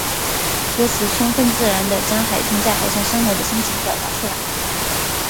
歌词充分自然地将海军在海上生活的心情表达出来。